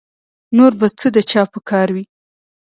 نور به څه د چا په کار وي